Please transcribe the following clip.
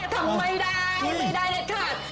ทำไมได้ไม่ได้เลยค่ะ